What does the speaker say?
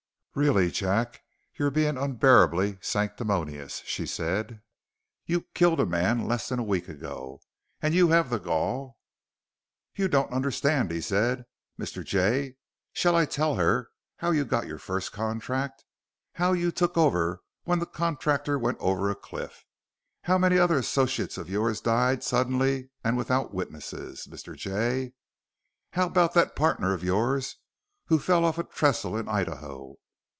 "Really, Jack, you're being unbearably sanctimonious," she said. "You killed a man less than a week ago. And you have the gall " "You don't understand," he said. "Mr. Jay, shall I tell her how you got your first contract how you took over when the contractor went over a cliff? How many other associates of yours died suddenly and without witnesses, Mr. Jay? How about that partner of yours who fell off a trestle in Idaho?...